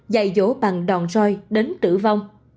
dạy dỗ bằng đòn roi đến tử vong